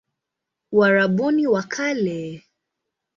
Uarabuni wa Kale